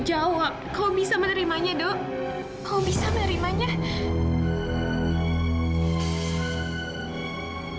jawab kamu bisa menerimanya dok